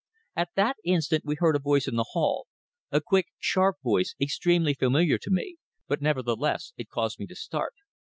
At that instant we heard a voice in the hall a quick, sharp voice extremely familiar to me, but nevertheless it caused me to start.